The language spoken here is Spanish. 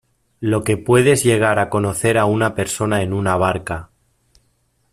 lo que puedes llegar a conocer a una persona en una barca